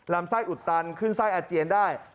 ลำไส้อุดตันขึ้นไส้อาเจียนได้